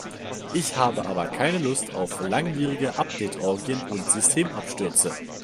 Ich habe aber keine Lust auf langwierige Update-Orgien und Systemabstürze.